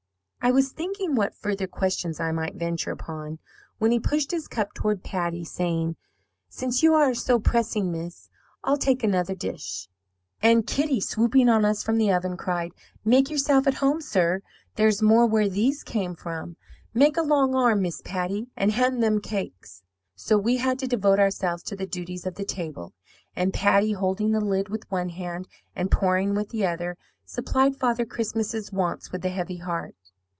"I was thinking what further questions I might venture upon, when he pushed his cup toward Patty saying, 'Since you are so pressing, miss, I'll take another dish.' "And Kitty, swooping on us from the oven, cried, 'Make yourself at home, sir; there's more where these came from. Make a long arm, Miss Patty, and hand them cakes.' "So we had to devote ourselves to the duties of the table; and Patty, holding the lid with one hand and pouring with the other, supplied Father Christmas's wants with a heavy heart.